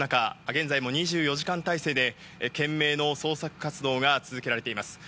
現在も２４時間態勢で懸命の捜索活動が続けられています。